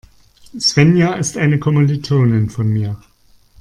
Svenja ist eine Kommilitonin von mir.